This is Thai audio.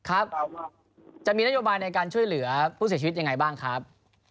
ครับจะมีนโยบายในการช่วยเหลือผู้เสียชีวิตยังไงบ้างครับ